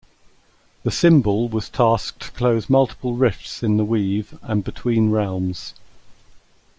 The Simbul was tasked to close multiple rifts in the Weave and between realms.